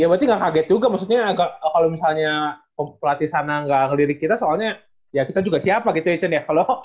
ya berarti nggak kaget juga maksudnya kalau misalnya pelatih sana nggak ngelirik kita soalnya ya kita juga siapa gitu ya chan ya